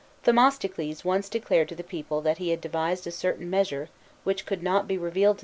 Themistocles once declared to the people that he had devised a certain measure which could not. be revealed.